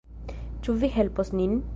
Ĉu vi helpos nin?